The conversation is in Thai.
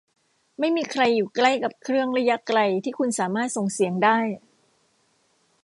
ไม่มีใครอยู่ใกล้กับเครื่องระยะไกลที่คุณสามารถส่งเสียงได้ ?